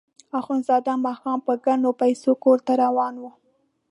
اخندزاده ماښام په ګڼلو پیسو کور ته روان وو.